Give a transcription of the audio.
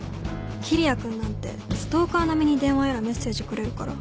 桐矢君なんてストーカー並みに電話やらメッセージくれるから。